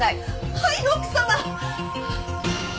はい奥様！